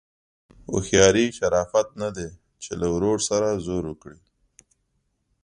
هوښیاري شرافت نه دی چې له وړو سره زور وکړي.